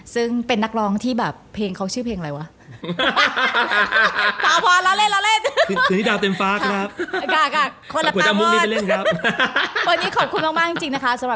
ซึ่งเป็นนักร้องที่แบบเพลงเขาชื่อเพลงอะไรวะ